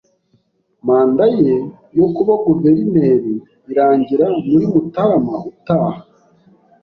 Manda ye yo kuba guverineri irangira muri Mutarama utaha.